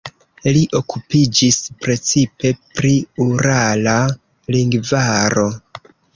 Li okupiĝis precipe pri urala lingvaro.